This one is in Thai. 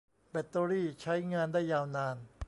แบตเตอรีใช้งานได้ยาวนาน